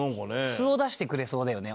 素を出してくれそうだよね